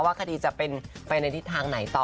คดีจะเป็นไปในทิศทางไหนต่อ